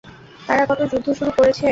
তারা কত যুদ্ধ শুরু করেছে?